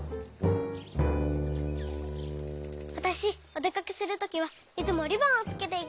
わたしおでかけするときはいつもリボンをつけていくのよ。